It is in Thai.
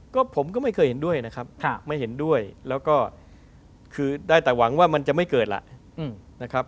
ก็ไม่เกิดแล้วนะครับ